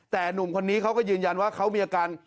แต่หนุ่มคนนี้เขาก็ยืนยันว่าเขามีอาการ